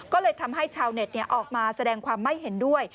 ก็เลยทำให้ชาวเน็ตออกมาแสดงความไม่เห็นด้วย